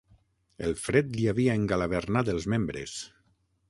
El fred li havia engalavernat els membres.